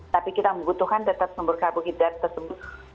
tapi kita membutuhkan tetap sumber karbohidrat tersebut